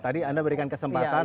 tadi anda berikan kesempatan